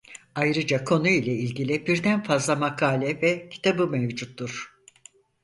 Ayrıca konu ile ilgili birden fazla makale ve kitabı mevcuttur.